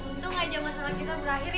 untung aja masalah kita berakhir ya